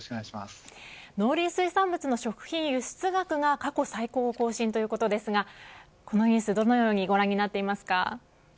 農林水産物の食品輸出額が過去最高を更新ということですがこのニュースどのようにご覧になっていますか。